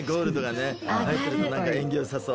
何か縁起良さそう。